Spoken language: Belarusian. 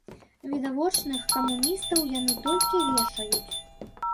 Відавочных камуністаў яны толькі вешаюць.